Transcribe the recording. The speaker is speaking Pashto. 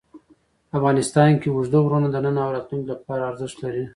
افغانستان کې اوږده غرونه د نن او راتلونکي لپاره ارزښت لري.